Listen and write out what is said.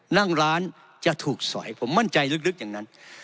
นั่งร้านจะถูกสอยผมมั่นใจลึกอย่างนั้น